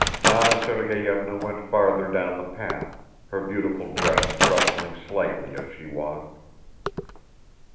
Anna Sergeyevna went farther down the path, her beautiful dress rustling slightly as she walked.